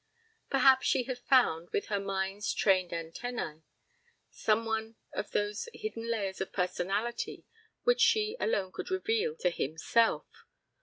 Perhaps she had found, with her mind's trained antennae, some one of those hidden layers of personality which she alone could reveal to himself.